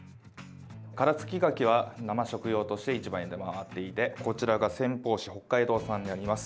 殻付きガキは生食用として市場に出回っていてこちらが仙鳳趾北海道産になります。